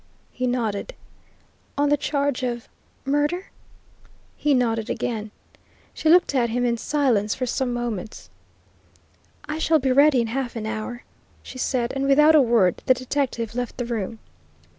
He nodded. "On the charge of murder?" He nodded again. She looked at him in silence for some moments. "I shall be ready in half an hour," she said, and without a word the detective left the room.